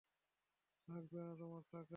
লাগবে না তোমার টাকা!